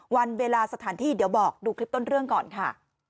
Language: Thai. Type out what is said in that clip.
วันเวลาสถานที่เดี๋ยวบอกดูคลิปต้นเรื่องก่อนค่ะ